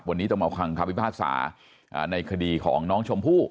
วันนี้ต้องเอาความความวิบาศาในคดีของน้องชมผู้